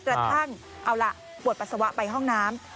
กระทั่งเอาล่ะปวดปัสสาวะไปห้องน้ำ